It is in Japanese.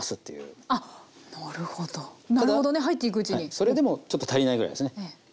それでもちょっと足りないぐらいですね。